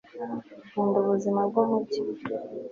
Nkunda ubuzima bwumujyi